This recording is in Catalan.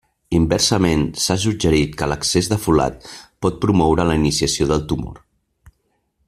Inversament, s'ha suggerit que l'excés de folat pot promoure la iniciació del tumor.